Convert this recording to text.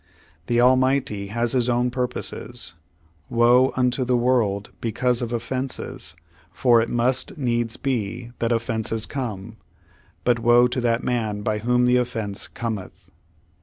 The Almighty has His own purposes. 'Woe unto the world because of offenses; for it must needs be that offenses come, but woe to that man by w"hom the offense Cometh.'